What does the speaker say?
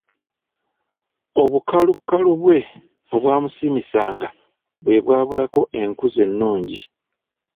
Obukalukalu bwe obwamusiimisanga bwe bwabulako enkuza ennungi.